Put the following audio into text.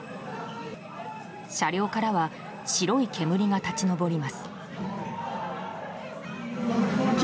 車両からは白い煙が立ち上ります。